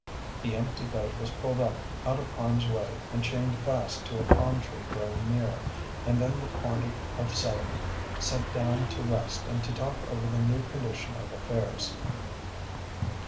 The empty boat was pulled up out of harm's way and chained fast to a palm tree growing near, and then the party of seven sat down to rest and to talk over the new condition of affairs.